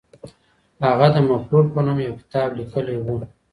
هغه د مفرور په نوم یو کتاب لیکلی و.